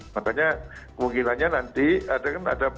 makanya kemungkinannya nanti ada kan ada badan pptj